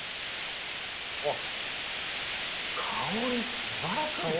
香りすばらしいですね！